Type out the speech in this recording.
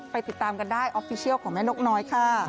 ติดตามกันได้ออฟฟิเชียลของแม่นกน้อยค่ะ